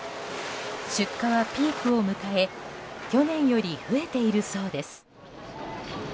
出荷はピークを迎え去年より増えているそうです。